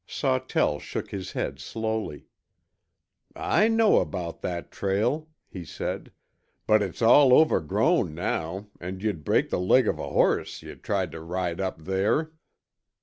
Sawtell shook his head slowly. "I know about that trail," he said, "but it's all overgrown now and you'd break the leg of a horse you tried to ride up there."